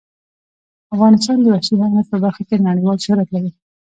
افغانستان د وحشي حیواناتو په برخه کې نړیوال شهرت لري.